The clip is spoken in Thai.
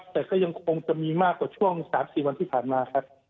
แต่ก็ยังคงจะมีมากกว่าช่วง๓๔วันที่ผ่านมาครับ